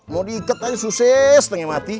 mau diikat aja susah setengah mati